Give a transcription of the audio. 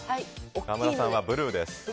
川村さんはブルーです。